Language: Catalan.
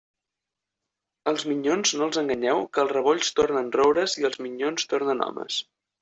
Els minyons, no els enganyeu, que els rebolls tornen roures i els minyons tornen homes.